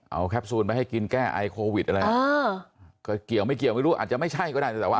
เอาแคปซูลไปให้กินแก้ไอโควิดอะไรเออก็เกี่ยวไม่เกี่ยวไม่รู้อาจจะไม่ใช่ก็ได้